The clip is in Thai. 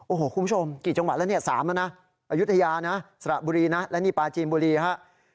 โอ้โหคุณผู้ชมกี่จังหวัดแล้วเนี่ย๓แล้วนะอายุทยานะสระบุรีนะและนี่ปลาจีนบุรีฮะ